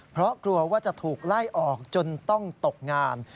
เพราะกลัวว่าจะถูกไล่ออกจนต้องตกงาน